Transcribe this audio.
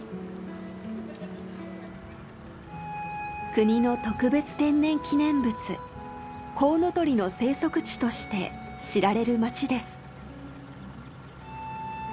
国の特別天然記念物コウノトリの生息地として知られる街です。